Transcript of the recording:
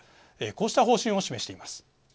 こうした方針を示しています。